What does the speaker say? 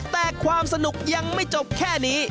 แต่ความสนุกยังไม่จบแค่นี้